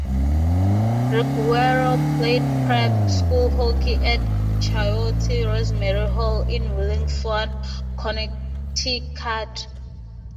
Ruggiero played prep school hockey at Choate Rosemary Hall in Wallingford, Connecticut.